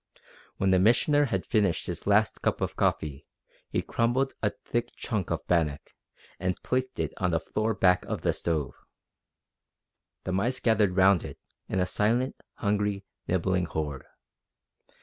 When the Missioner had finished his last cup of coffee he crumbled a thick chunk of bannock and placed it on the floor back of the stove. The mice gathered round it in a silent, hungry, nibbling horde.